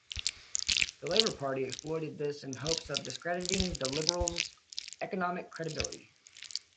The Labor party exploited this in hopes of discrediting the Liberals' economic credibility.